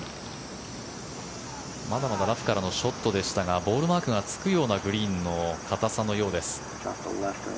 ラフからのショットでしたがボールマークがつくようなグリーンの硬さのようです。